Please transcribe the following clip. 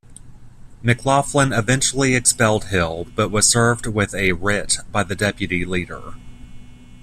McLaughlin eventually expelled Hill but was served with a writ by the deputy leader.